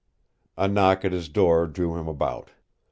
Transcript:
A knock at his door drew him about.